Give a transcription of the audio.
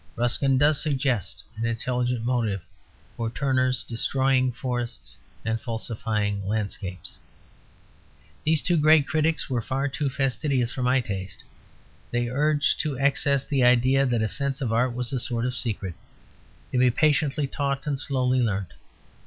Ruskin does suggest an intelligent motive for Turner destroying forests and falsifying landscapes. These two great critics were far too fastidious for my taste; they urged to excess the idea that a sense of art was a sort of secret; to be patiently taught and slowly learnt.